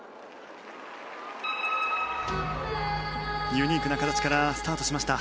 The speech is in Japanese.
ユニークな形からスタートしました。